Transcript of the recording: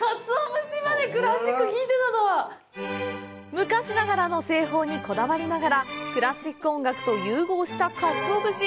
昔ながらの製法にこだわりながらクラシック音楽と融合したかつお節。